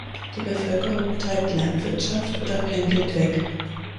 Die Bevölkerung betreibt Landwirtschaft oder pendelt weg.